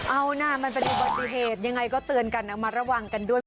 เอาหน่ามันเป็นปฏิเสธยังไงก็เตือนกันนะมาระวังกันด้วย